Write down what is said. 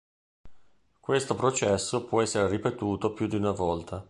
Questo processo può essere ripetuto più di una volta.